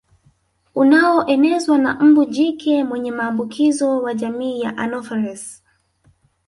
Unaoenezwa na mbu jike mwenye maambukizo wa jamii ya anopheles